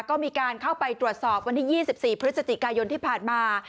ก็มีการเข้าไปตรวจสอบวันที่๒๔พฤศจิกายนที่ผ่านมา